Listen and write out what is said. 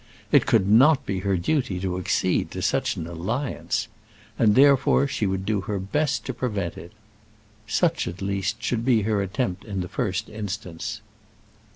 It could not be her duty to accede to such an alliance; and therefore she would do her best to prevent it. Such, at least, should be her attempt in the first instance.